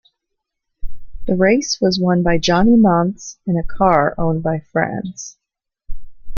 The race was won by Johnny Mantz in a car owned by France.